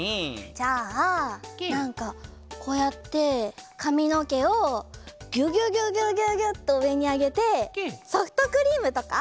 じゃあなんかこうやってかみのけをギュギュギュギュギュッとうえにあげてソフトクリームとか？